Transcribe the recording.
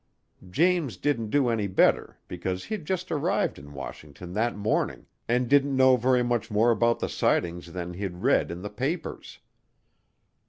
James didn't do any better because he'd just arrived in Washington that morning and didn't know very much more about the sightings than he'd read in the papers.